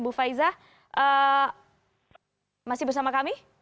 bu faiza masih bersama kami